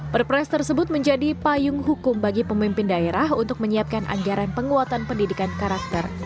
perpres tersebut menjadi payung hukum bagi pemimpin daerah untuk menyiapkan anggaran penguatan pendidikan karakter